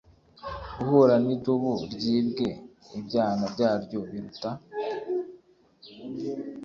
guhura n idubu ryibwe ibyana byaryo biruta